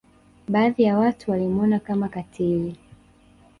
Baadhi ya watu walimwona Kama katili